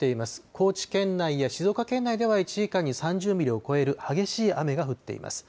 高知県内や静岡県内では１時間に３０ミリを超える激しい雨が降っています。